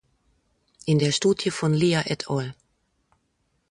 In der Studie von Lear et al.